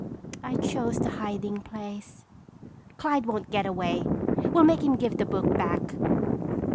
I chose the hiding place." "Clyde won't get away. We'll make him give the book back."